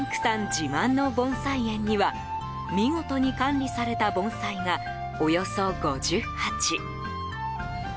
自慢の盆栽園には見事に管理された盆栽がおよそ５０鉢。